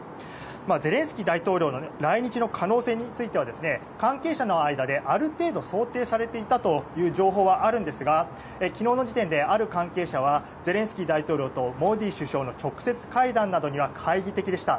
ゼレンスキー大統領の来日の可能性については関係者の間で、ある程度想定されていたという情報はあるんですが昨日の時点で、ある関係者はゼレンスキー大統領とモディ首相の直接会談などには懐疑的でした。